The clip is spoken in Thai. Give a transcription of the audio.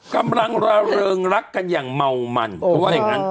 กำลังระเริงรักกันอย่างเมามันเขาว่าอย่างนั้น